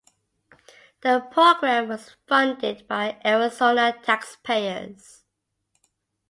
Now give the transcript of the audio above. The program was funded by Arizona taxpayers.